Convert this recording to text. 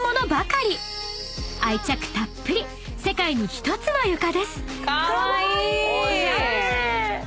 ［愛着たっぷり世界に一つの床です］